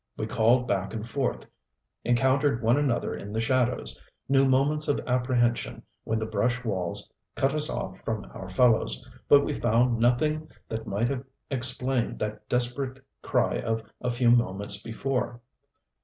We called back and forth, encountered one another in the shadows, knew moments of apprehension when the brush walls cut us off from our fellows, but we found nothing that might have explained that desperate cry of a few moments before.